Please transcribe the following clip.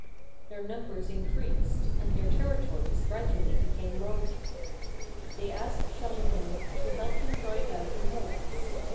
Their numbers increased, and their territories gradually became larger. They asked Charlemagne to help them drive out the Moors.